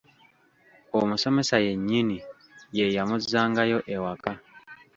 Omusomesa yennyini ye yamuzzangayo ewaka.